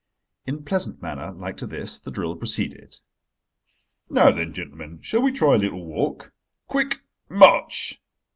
In pleasant manner, like to this, the drill proceeded. "Now then, gentlemen, shall we try a little walk? Quick march!